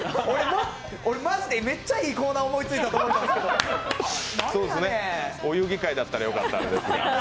俺マジでめっちゃいいコーナー思いついたと思ったんですけど。